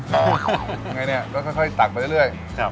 ยังไงเนี่ยก็ค่อยตักไปเรื่อย